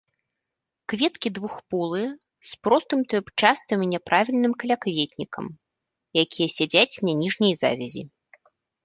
Кветкі двухполыя з простым трубчастым і няправільным калякветнікам, якія сядзяць на ніжняй завязі.